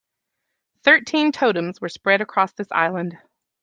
Thirteen totems were spread across this island.